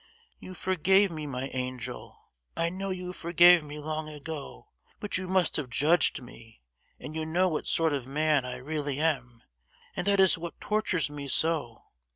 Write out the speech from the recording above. You forgave me, my angel; I know you forgave me long ago, but you must have judged me, and you know what sort of man I really am; and that is what tortures me so!